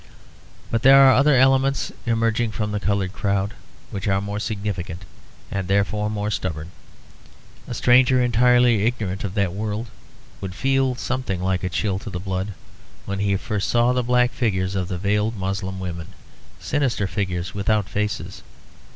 But there are other elements emerging from the coloured crowd, which are more significant, and therefore more stubborn. A stranger entirely ignorant of that world would feel something like a chill to the blood when he first saw the black figures of the veiled Moslem women, sinister figures without faces.